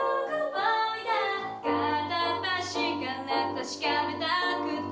確かめたくって。